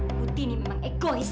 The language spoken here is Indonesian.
ibu tini memang egois